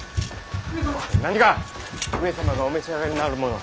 何か上様がお召し上がりになるものを！